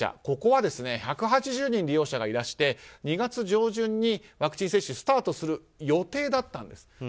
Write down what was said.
ここは１８０人利用者がいらして２月上旬にワクチン接種スタートする予定だったんです。